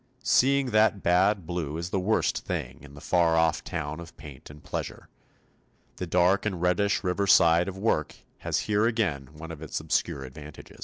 Seeing that bad blue is the worst thing in the far off town of paint and pleasure, the dark and reddish river side of work has here again one of its obscure advantages.